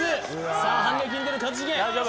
さあ反撃に出る一茂